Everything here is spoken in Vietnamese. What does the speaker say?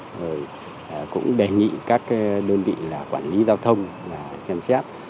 rồi cũng đề nghị các đơn vị là quản lý giao thông là xem xét